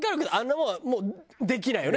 もんはもうできないよね。